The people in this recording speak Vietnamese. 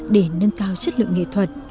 để nâng cao chất lượng nghệ thuật